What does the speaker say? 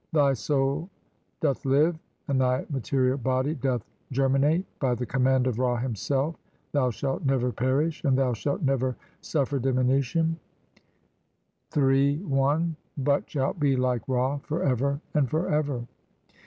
Thy "soul doth live, and thy material body doth germi "nate by the command of Ra himself ; thou shaft "never perish and thou shalt never suffer diminution, "III. (1) [but shalt be] like Ra for ever and for ever."